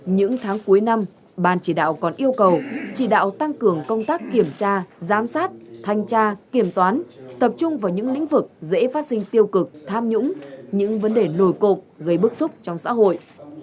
những tháng cuối năm ban chỉ đạo còn yêu cầu chỉ đạo tăng cường công tác kiểm tra giám sát thanh tra kiểm toán tập trung vào những lĩnh vực dễ phát sinh tiêu cực tham nhũng những vấn đề nổi cộng gây bức xúc trong xã hội